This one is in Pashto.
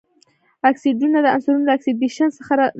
اکسایډونه د عنصرونو له اکسیدیشن څخه لاسته راځي.